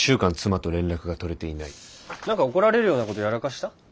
何か怒られるようなことやらかした？